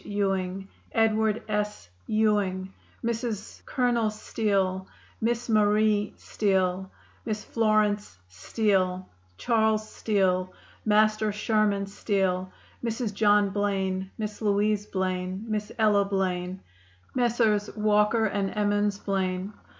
Ewing, Edward S. Ewing, Mrs. Colonel Steele, Miss Marie Steele, Miss Florence Steele, Charles Steele, Master Sherman Steele, Mrs. John Blaine, Miss Louise Blaine, Miss Ella Blaine, Messrs. Walker and Emmons Blaine.